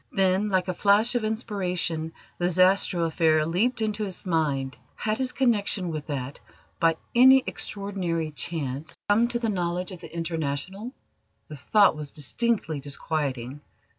Then, like a flash of inspiration, the Zastrow affair leapt into his mind. Had his connection with that, by any extraordinary chance, come to the knowledge of the International? The thought was distinctly disquieting.